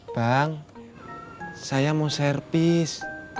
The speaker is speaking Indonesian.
bang saya mau servis